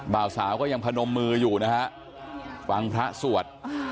บ่าวสาวก็ยังพนมมืออยู่นะฮะฟังพระสวด